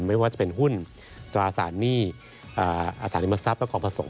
ไม่ว่าจะเป็นหุ้นตราสารหนี้อสารเวียมอสับและความผสม